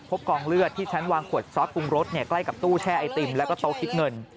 กองเลือดที่ชั้นวางขวดซอสปรุงรสใกล้กับตู้แช่ไอติมแล้วก็โต๊ะคิดเงิน